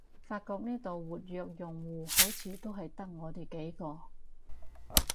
發覺呢度活躍用戶好似都係得我哋幾個